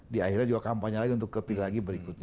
di akhirnya juga kampanye lagi untuk ke pilih lagi berikutnya